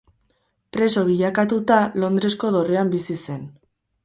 Preso bilakatuta, Londresko dorrean bizi zen.